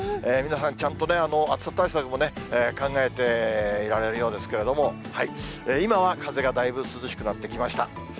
皆さんちゃんとね、暑さ対策もね、考えていられるようですけれども、今は風がだいぶ涼しくなってきました。